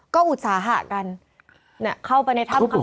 ก็อุตสาหะกันเนี่ยเข้าไปในถ้ำข้างข้าว